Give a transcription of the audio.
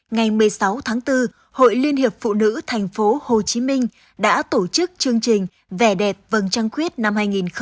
ngày một mươi sáu tháng bốn hội liên hiệp phụ nữ tp hcm đã tổ chức chương trình vẻ đẹp vầng trăng khuyết năm hai nghìn hai mươi bốn